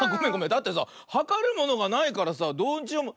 だってさはかるものがないからさどうしようも。